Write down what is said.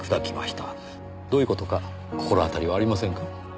どういう事か心当たりはありませんか？